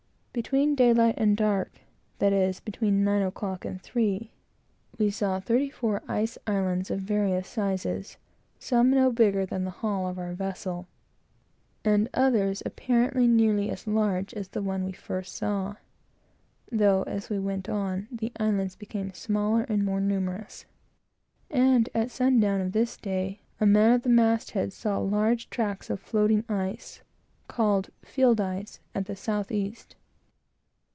Between daylight and dark that is, between nine o'clock and three we saw thirty four ice islands, of various sizes; some no bigger than the hull of our vessel, and others apparently nearly as large as the one that we first saw; though, as we went on, the islands became smaller and more numerous; and, at sundown of this day, a man at the mast head saw large fields of floating ice called "field ice" at the south east.